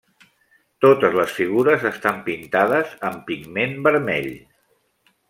Totes les figures estan pintades amb pigment vermell.